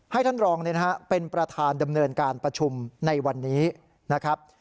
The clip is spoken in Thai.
ท่านรองเป็นประธานดำเนินการประชุมในวันนี้นะครับ